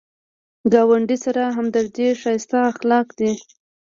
ګاونډي سره همدردي ښایسته اخلاق دي